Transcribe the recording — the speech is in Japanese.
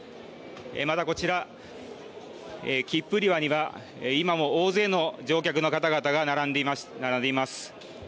また、こちら切符売り場には今も大勢の乗客の方々が並んでいます。